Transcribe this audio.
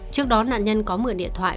trước đó nạn nhân có mượn điện thoại